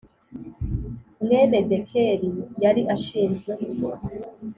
Mwene dekeri yari ashinzwe